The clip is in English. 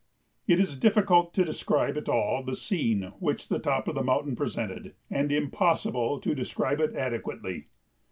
It is difficult to describe at all the scene which the top of the mountain presented, and impossible to describe it adequately.